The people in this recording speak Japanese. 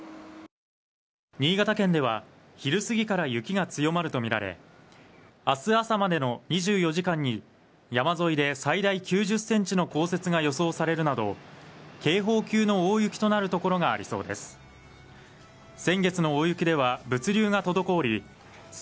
新潟県では昼過ぎから雪が強まるとみられあす朝までの２４時間に山沿いで最大９０センチの降雪が予想されるなど警報級の大雪となる所がありそうです